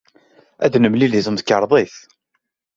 Ad nemlil deg temkarḍit?